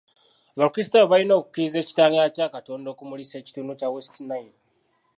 Abakrisitaayo balina okukkiriza ekitangala kya Katonda okumulisa ekitundu kya West Nile.